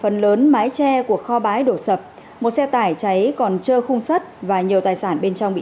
phần lớn mái tre của kho bái đổ sập một xe tải cháy còn trơ khung sắt và nhiều tài sản bên trong bị